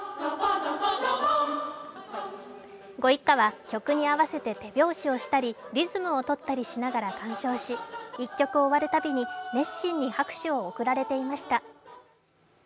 ご一家は曲に合わせて手拍子をしたり、リズムをとったりしながら鑑賞し、１曲終わるたびごとに熱心に拍手を送られていました。